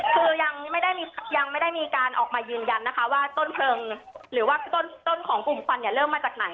คือยังไม่ได้ยังไม่ได้มีการออกมายืนยันนะคะว่าต้นเพลิงหรือว่าต้นของกลุ่มควันเนี่ยเริ่มมาจากไหน